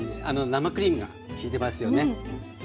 生クリームが効いてますよね。